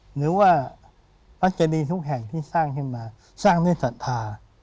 หรือว่าพระเจดีทุกแห่งที่สร้างขึ้นมาสร้างด้วยศรัทธา